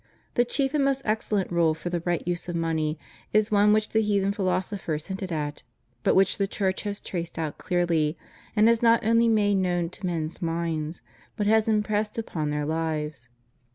The chief and most excellent rule for the right use of money is one which the heathen philosophers hinted at, but which the Church has traced out clearly, and has not only made known to men's minds, but has impressed upon their lives.